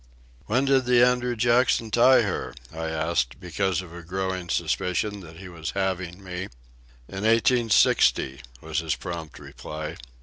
"When did the Andrew Jackson tie her?" I asked, because of the growing suspicion that he was "having" me. "In 1860," was his prompt reply.